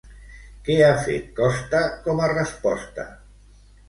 Què ha fet Costa com a resposta?